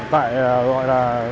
tại gọi là